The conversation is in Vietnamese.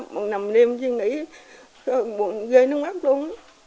mừng nằm đêm chứ nghĩ mừng ghê nước mắt luôn